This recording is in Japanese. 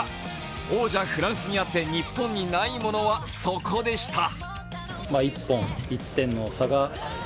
王者フランスにあって日本にないものはそこでした。